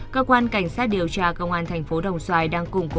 cơ quan cảnh sát điều tra công an thành phố đồng xoài đang củng cố